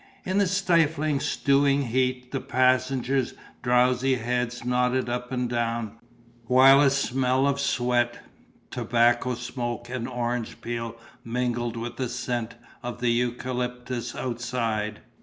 In the stifling, stewing heat, the passengers' drowsy heads nodded up and down, while a smell of sweat, tobacco smoke and orange peel mingled with the scent of the eucalyptuses outside.